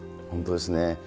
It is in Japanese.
本当ですね。